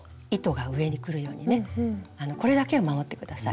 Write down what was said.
これだけは守って下さい。